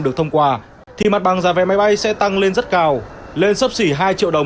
được thông qua thì mặt bằng giá vé máy bay sẽ tăng lên rất cao lên sấp xỉ hai triệu đồng